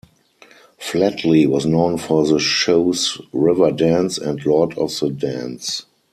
Flatley was known for the shows "Riverdance" and "Lord of the Dance".